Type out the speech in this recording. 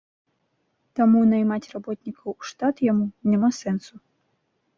Таму наймаць работнікаў у штат яму няма сэнсу.